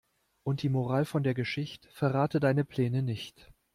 Und die Moral von der Geschicht': Verrate deine Pläne nicht.